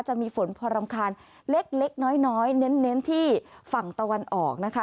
จะมีฝนพอรำคาญเล็กน้อยเน้นที่ฝั่งตะวันออกนะคะ